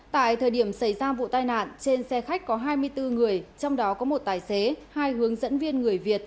tại thời điểm xảy ra vụ tai nạn trên xe khách có hai mươi bốn người trong đó có một tài xế hai hướng dẫn viên người việt